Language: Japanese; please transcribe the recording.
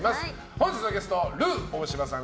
本日のゲスト、ルー大柴さん